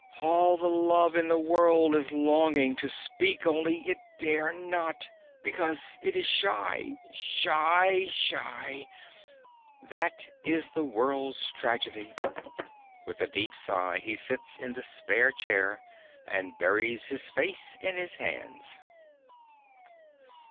All the love in the world is longing to speak; only it dare not, because it is shy, shy, shy. That is the world's tragedy. (With a deep sigh he sits in the spare chair and buries his face in his hands.)